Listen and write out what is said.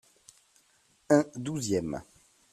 Un douzième.